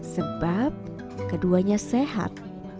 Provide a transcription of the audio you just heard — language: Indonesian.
sebab keduanya sehat